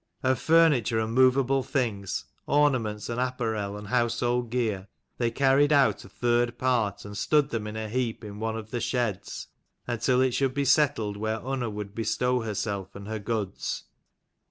Of furniture and movable things, ornaments and apparel and household gear, they carried out a third part and stood them in a heap in one of the sheds, until it should be settled where Unna would bestow herself and her goods.